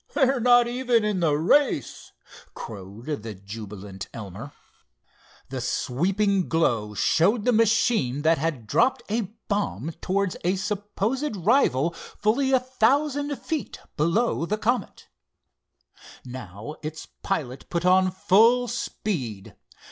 They're not even in the race," crowed the jubilant Elmer. The sweeping glow showed the machine that had dropped a bomb towards a supposed rival fully a thousand feet below the Comet. Now its pilot put on full speed.